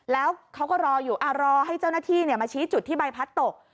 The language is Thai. แล้วเขาก็รออยู่รอให้เจ้าหน้าที่มาชี้จุดที่ใบพัดตก